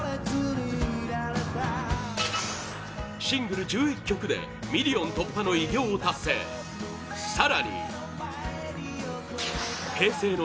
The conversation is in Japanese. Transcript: シングル１１曲でミリオン突破の偉業を達成！